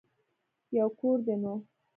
يو کور دی نو.